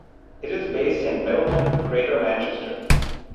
It is based in Middleton, Greater Manchester.